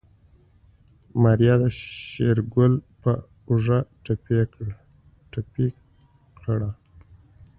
ماريا د شېرګل په اوږه ټپي کړه.